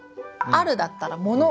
「ある」だったら「もの」。